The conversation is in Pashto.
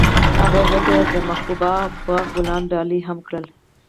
هغه هغې ته د محبوب باغ ګلان ډالۍ هم کړل.